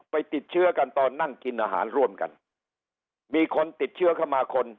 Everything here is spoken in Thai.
ไปติดเชื้อกันตอนนั่งกินอาหารร่วมกันมีคนติดเชื้อเข้ามาคน